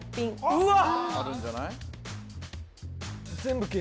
うわっ